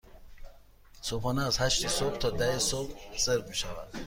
صبحانه از هشت صبح تا ده صبح سرو می شود.